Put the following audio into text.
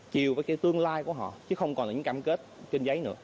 chiều với cái tương lai của họ chứ không còn những cam kết trên giấy nữa